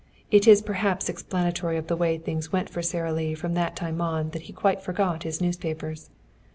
It is perhaps explanatory of the way things went for Sara Lee from that time on that he quite forgot his newspapers.